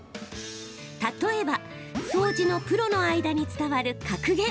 例えば、掃除のプロの間に伝わる格言。